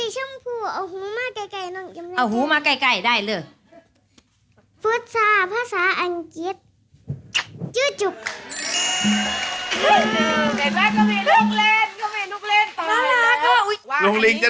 โอ้โหสะเก็ดเห็นไหมเห็นไหมโอเคเขามีอะไรอีกลูกค้าอะไรอีกคะ